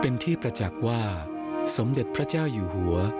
เป็นที่ประจักษ์ว่าสมเด็จพระเจ้าอยู่หัว